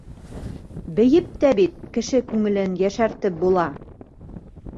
Бейеп тә бит кеше күңелен йәшәртеп була?!